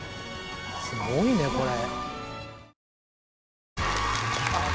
すごいねこれ。